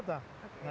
lagi yang non senjata